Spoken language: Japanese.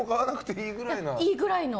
いいぐらいの。